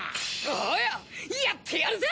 おうよやってやるぜ！